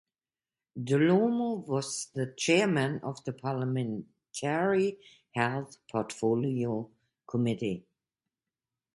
Dhlomo was the chairperson of the Parliamentary Health Portfolio Committee.